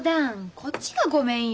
こっちがごめんよ。